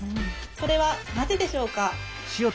それはなぜでしょうか？